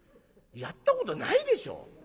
やったことないでしょ。